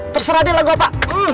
terserah deh lagu apa